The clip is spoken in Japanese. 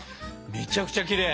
めちゃくちゃきれい。